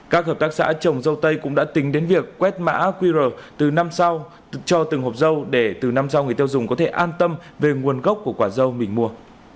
các hợp tác xã trồng râu tây cũng đã tính đến việc quét mã qr cho từng hộp râu để từ năm sau người tiêu dùng có thể an tâm về nguồn gốc của quả râu mình mua